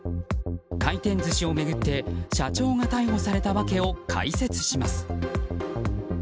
回転寿司を巡って社長が逮捕された訳を解説します。